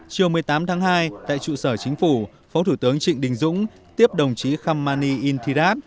chiều một mươi tám tháng hai tại trụ sở chính phủ phó thủ tướng trịnh đình dũng tiếp đồng chí khamani intirat